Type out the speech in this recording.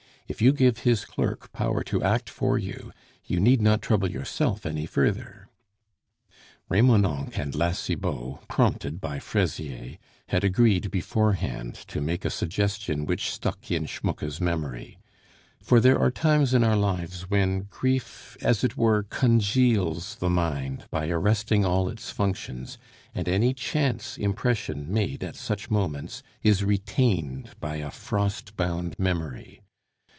If you give his clerk power to act for you, you need not trouble yourself any further." Remonencq and La Cibot, prompted by Fraisier, had agreed beforehand to make a suggestion which stuck in Schmucke's memory; for there are times in our lives when grief, as it were, congeals the mind by arresting all its functions, and any chance impression made at such moments is retained by a frost bound memory.